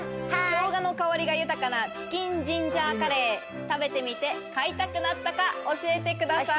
ショウガの香りが豊かなチキンジンジャーカレー食べてみて買いたくなったか教えてください。